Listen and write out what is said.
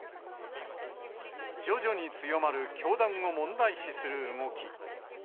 徐々に強まる教団を問題視する動き。